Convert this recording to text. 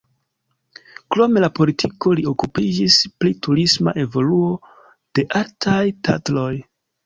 Krom la politiko li okupiĝis pri turisma evoluo de Altaj Tatroj.